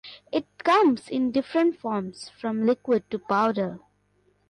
It comes in different forms from liquid to powder.